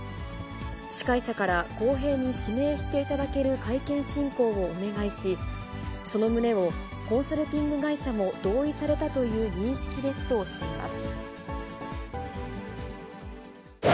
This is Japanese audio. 司会者から公平に指名していただける会見進行をお願いし、その旨をコンサルティング会社も同意されたという認識ですとしています。